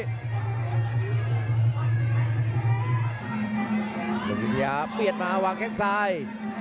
อย่างนี้ลุงพิธียาเปลี่ยนมาวางแข็งทราย